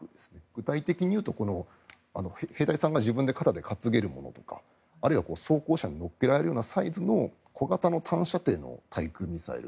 具体的に言うと、兵隊さんが自分で肩で担げるものとかあるいは装甲車に載っけられるようなサイズの小型の短射程の対空ミサイル。